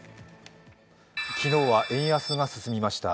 昨日は円安が進みました。